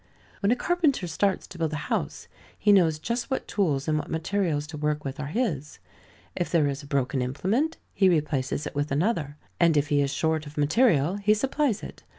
When a carpenter starts to build a house, he knows just what tools and what materials to work with are his. If there is a broken implement, he replaces it with another, and if he is short of material he supplies it.